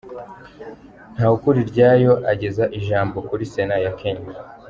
Ntawukuriryayo ageza ijambo kuri sena ya Kenya.